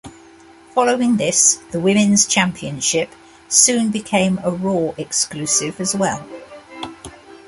Following this, the Women's Championship soon became a "Raw" exclusive as well.